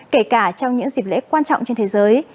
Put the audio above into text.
kể cả trong những dịp lễ quan trọng trên thế giới